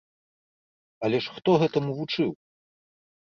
Але ж хто гэтаму вучыў?